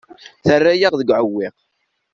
Terra-yaɣ deg uɛewwiq.